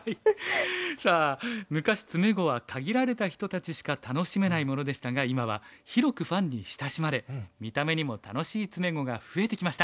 さあ昔詰碁は限られた人たちしか楽しめないものでしたが今は広くファンに親しまれ見た目にも楽しい詰碁が増えてきました。